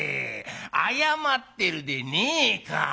謝ってるでねえか。